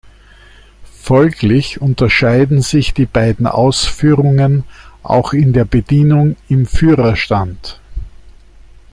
Folglich unterscheiden sich die beiden Ausführungen auch in der Bedienung im Führerstand.